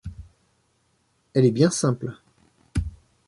Elle est bien simple !